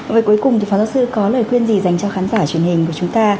và cuối cùng thì phó giáo sư có lời khuyên gì dành cho khán giả truyền hình của chúng ta